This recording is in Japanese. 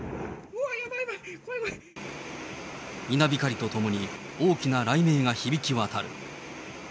稲光とともに、大きな雷鳴が響き渡る。